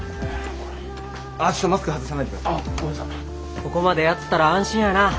ここまでやったら安心やな。